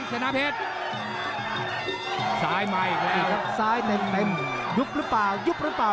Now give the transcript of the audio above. ชนะเพชรซ้ายมาอีกแล้วซ้ายเต็มเต็มยุบหรือเปล่ายุบหรือเปล่า